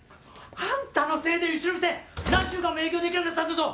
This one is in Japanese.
あんたのせいでうちの店何週間も営業できなくなったんだぞ！